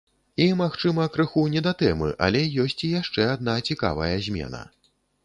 І, магчыма, крыху не да тэмы, але ёсць і яшчэ адна цікавая змена.